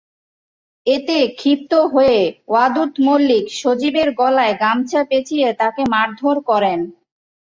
এতে ক্ষিপ্ত হয়ে ওয়াদুদ মল্লিক সজীবের গলায় গামছা পেঁচিয়ে তাকে মারধর করেন।